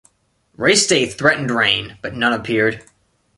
Race day threatened rain, but none appeared.